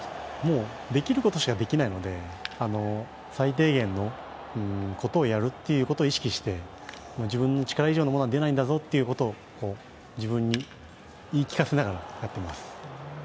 できることしかできないので、最低限のことをやることを意識して、自分の力以上のものは出ないんだぞということを自分に言い聞かせながらやっています。